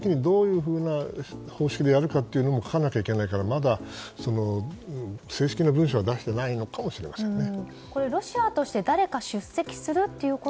ただ問題はその時にどういうふうな方式でやるか書かなきゃいけないからまだ正式な文書は出していないのかもしれませんね。